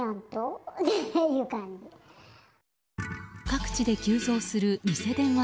各地で急増する偽電話